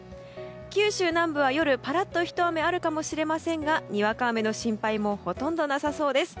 九州南部は夜ぱらっとひと雨あるかもしれませんがにわか雨の心配もほとんどなさそうです。